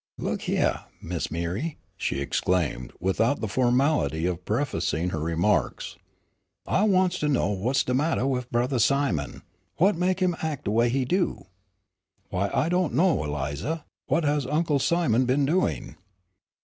"Look hyeah, Mis' M'ree," she exclaimed, without the formality of prefacing her remarks, "I wants to know whut's de mattah wif Brothah Simon what mek him ac' de way he do?" "Why, I do not know, Eliza, what has Uncle Simon been doing?"